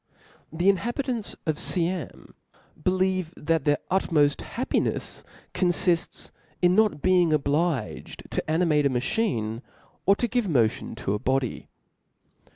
The inhabitants of Siam believe that their ucmoft happinefs (') confids in not being (a) la obliged to animate a machine, or to give motion ^^lati^u to a body.